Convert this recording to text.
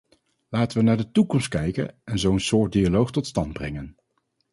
Laten we naar de toekomst kijken en zo'n soort dialoog tot stand brengen.